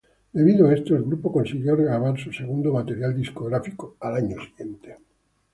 Debido a esto, el grupo consiguió grabar su segundo material discográfico al año siguiente.